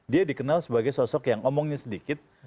dia dikenal sebagai sosok yang omongnya sedikit